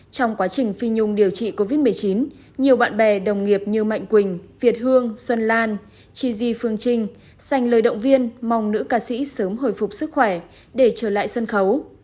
trong quá trình phi nhung điều trị covid một mươi chín nhiều bạn bè đồng nghiệp như mạnh quỳnh việt hương xuân lan chi di phương trinh dành lời động viên mong nữ ca sĩ sớm hồi phục sức khỏe để trở lại sân khấu